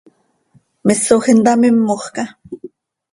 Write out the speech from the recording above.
¿Misoj intamímojca?